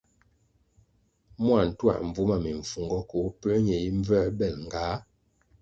Mua ntuā mbvu ma mimfungo koh puē ñe yi mvuēbel ngah?